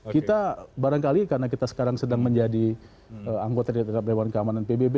kita barangkali karena kita sekarang sedang menjadi anggota dari tni pppb